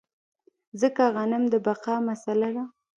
ځکه غنم د بقا مسئله ده.